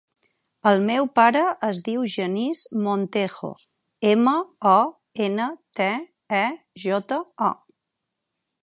El meu pare es diu Genís Montejo: ema, o, ena, te, e, jota, o.